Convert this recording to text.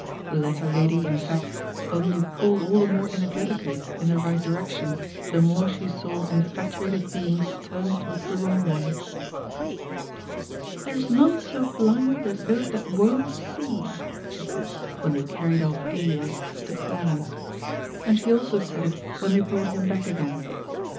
The latter lady, in fact, only pulled all the more energetically in the right direction, the more she saw infatuated beings turn towards the wrong one. " There's none so blind as those that won't see," she said, when they carried off Elias to Clarens. And she also said it when they brought him back again.